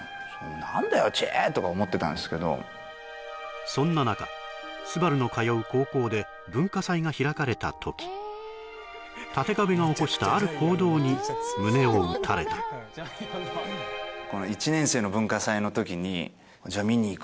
「なんだよチェッ」とか思ってたんすけどそんな中昴の通う高校で文化祭が開かれた時たてかべが起こしたある行動に胸を打たれたっつって「マジすか！？」